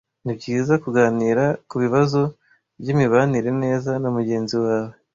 Nibyiza kuganira kubibazo byimibanire neza na mugenzi wawe.